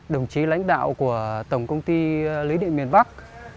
đồng chí lãnh đạo của tổng công ty lưới điện miền bắc